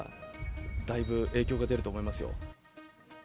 だいぶ影響が出ると思いますよ。